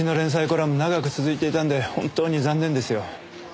コラム長く続いていたんで本当に残念ですよ。